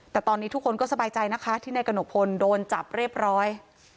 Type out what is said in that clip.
แต่ตอนนี้ทุกคนก็สบายใจนะคะที่นายกระหนกพลโดนจับเรียบร้อย